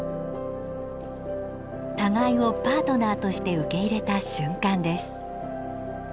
互いをパートナーとして受け入れた瞬間です。